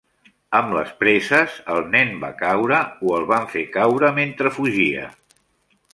Amb les presses, el nen va caure, o el van fer caure mentre fugia.